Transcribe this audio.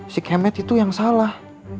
si kemet itu yang salah